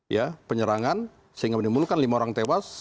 ya penyerangan sehingga menimbulkan lima orang tewas